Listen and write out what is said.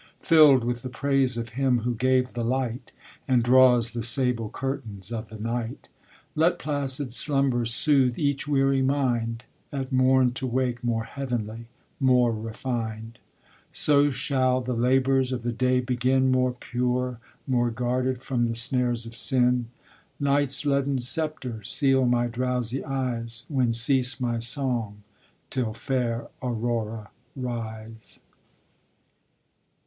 Filled with the praise of him who gave the light, And draws the sable curtains of the night, Let placid slumbers soothe each weary mind, At morn to wake more heaven'ly, more refin'd. So shall the labors of the day begin More pure, more guarded from the snares of sin. Nights' leaden sceptor seal my drowsy eyes, When cease my song, till fair Aurora rise.